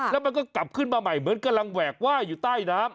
และกลับใหม่มาเหมือนกลางแวกว่าอยู่ใต้น้ำ